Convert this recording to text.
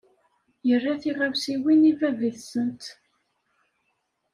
Yerra tiɣawsiwin i bab-itsent.